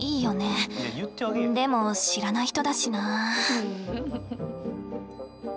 でも知らない人だしな。